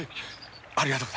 ありがとう。